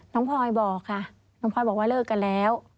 พลอยบอกค่ะน้องพลอยบอกว่าเลิกกันแล้ว